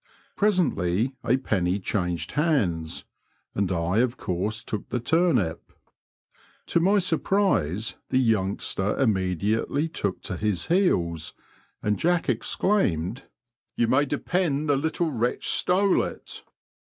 Presently a penny changed hands, and I of course took the turnip. To my surprise, the youngster immediately took to his heels, and Jack exclaimed, You may depend the little wretch stole it.'